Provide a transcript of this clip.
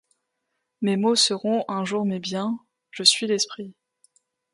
Mes maux seront un jour mes biens ; je suis l’esprit.